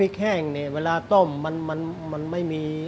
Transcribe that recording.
กล่าวค้านถึงกุ้ยเตี๋ยวลุกชิ้นหมูฝีมือลุงส่งมาจนถึงทุกวันนี้นั่นเองค่ะ